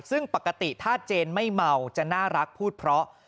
ซึ่งปกติถ้าเจนไม่เมาจะน่ารักพูดเพราะ